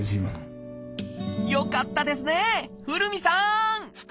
よかったですね古海さん！